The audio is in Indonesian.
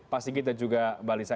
pak sigit dan juga mbak lisa